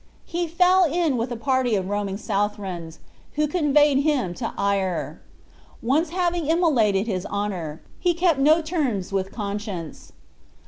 He fell in with a party of roaming Southrons, who conveyed him to Ayr. Once having immolated his honor, he kept no terms with conscience.